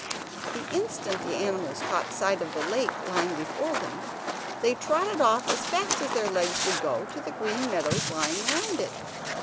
The instant the animals caught sight of the lake lying before them, they trotted off as fast as their legs would go to the green meadows lying round it.